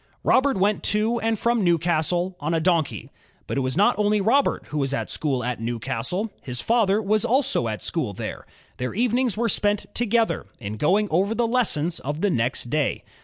Robert went to and from Newcastle on a donkey. But it was not only Robert who was at school at Newcastle, his father was also at school there. Their evenings were spent together in going over the lessons of the next day.